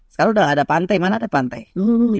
sekarang udah nggak ada pantai mana ada pantai